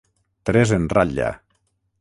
Tres en ratlla.